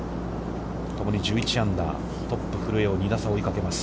ともに１１アンダーで、トップ古江を２打差で追いかけます。